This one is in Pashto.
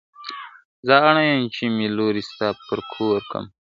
زه اړ نه یم چي مي لوری ستا پر کور کم `